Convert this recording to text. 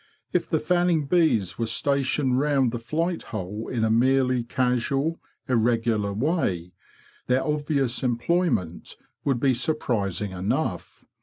If the fanning bees were stationed round the flight hole in a merely casual, irregular way, their obvious employment would be surprising enough.